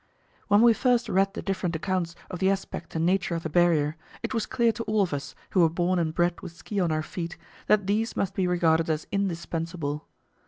When we first read the different accounts of the aspect and nature of the Barrier, it was clear to all of us, who were born and bred with ski on our feet, that these must be regarded as indispensable.